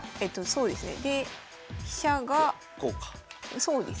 そうですね。